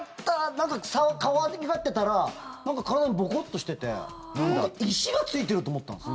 なんか、可愛がってたら体がボコッとしてて石がついてると思ったんです。